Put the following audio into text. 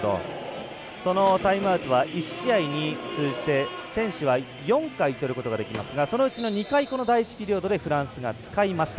そのタイムアウトは１試合に通じて選手は４回とることができますがそのうちの２回この第１ピリオドでフランスが使いました。